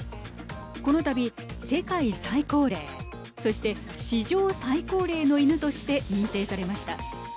このたび、世界最高齢そして、史上最高齢の犬として認定されました。